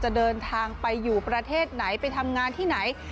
เดินทางไปอยู่ประเทศไหนไปทำงานที่ไหน